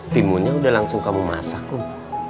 timunya udah langsung kamu masak gomb